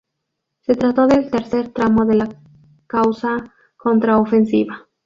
Se trató del tercer tramo de la causa Contraofensiva.